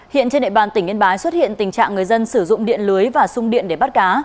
hiện trên địa bàn tỉnh yên bái xuất hiện tình trạng người dân sử dụng điện lưới và sung điện để bắt cá